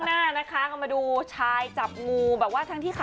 แน่นันซี่เดี๋ยวมาดูกันค่ะ